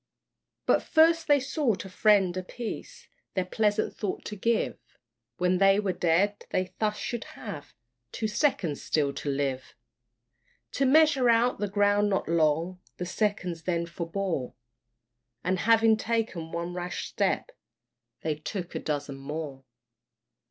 But first they sought a friend apiece, This pleasant thought to give When they were dead, they thus should have Two seconds still to live. To measure out the ground not long The seconds then forbore, And having taken one rash step, They took a dozen more.